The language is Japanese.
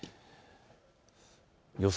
予想